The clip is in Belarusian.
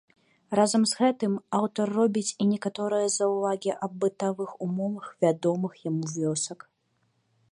Разам з гэтым аўтар робіць і некаторыя заўвагі аб бытавых умовах вядомых яму вёсак.